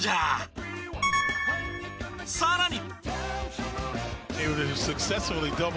さらに。